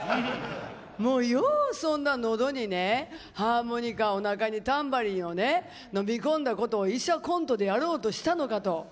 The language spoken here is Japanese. もう、よう、そんなのどにねハーモニカおなかにタンバリンを飲み込んだことを医者コントでやろうとしたのかと。